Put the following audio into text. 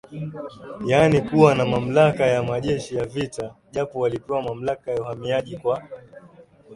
yaani kuwa na mamlaka ya majeshi ya vita japo walipewa mamlaka ya Uhamiaji kwa